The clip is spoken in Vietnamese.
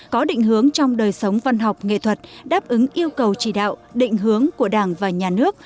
có định hướng trong đời sống văn học nghệ thuật đáp ứng yêu cầu chỉ đạo định hướng của đảng và nhà nước